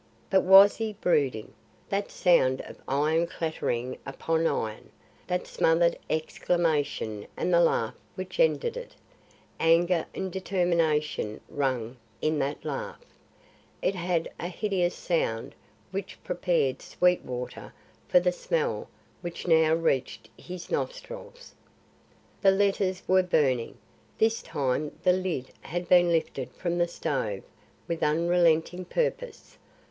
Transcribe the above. But was he brooding? That sound of iron clattering upon iron! That smothered exclamation and the laugh which ended it! Anger and determination rang in that laugh. It had a hideous sound which prepared Sweetwater for the smell which now reached his nostrils. The letters were burning; this time the lid had been lifted from the stove with unrelenting purpose.